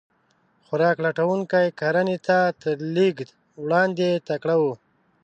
خوراک لټونکي کرنې ته تر لېږد وړاندې تکړه وو.